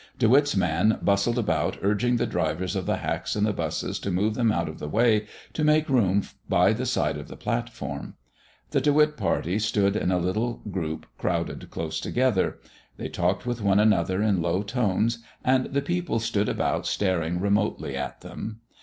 De Witt's man bustled about urging the drivers of the hacks and 'busses to move them out of the way to make room by the side of the platform. The De Witt party stood in a little group crowded close together. They talked with one another in low tones, and the people stood about staring remotely at them.